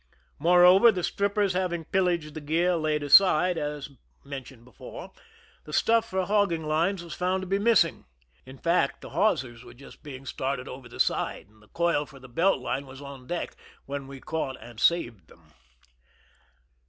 More over, the strippt^rs having pillaged the gear laid aside, as mentioiied above, the stuff for hogging 49 THE SINKING OF THE "MERRIMAC^ lines was found to be missing. In fact, the hawsers were just being started over the side, and the coil for the belt line was on deck, when we caught and saved them.